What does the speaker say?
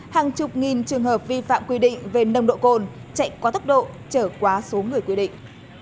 hàng chục nghìn trường hợp vi phạm quy định về nồng độ cồn chạy quá tốc độ trở quá số người quy định